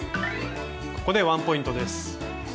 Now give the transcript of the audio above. ここでワンポイントです。